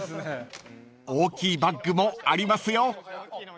［大きいバッグもありますよ］